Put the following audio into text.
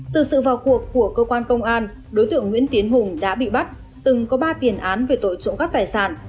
từ sự vào cuộc của cơ quan công an đối tượng nguyễn tiến hùng đã bị bắt từng có ba tiền án về tội trộm cắp tài sản